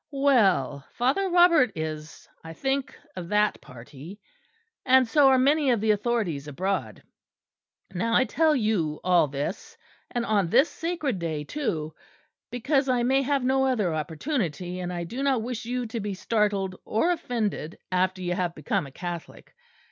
Well, Father Robert is, I think, of that party; and so are many of the authorities abroad. Now I tell you all this, and on this sacred day too, because I may have no other opportunity; and I do not wish you to be startled or offended after you have become a Catholic.